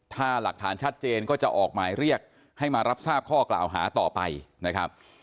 ถ้าหลักฐานชัดเจนก็จะออกหมายเรียกให้มารับทราบข้อกล่าวหาต่อไปนะครับ